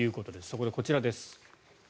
そこでこちらです。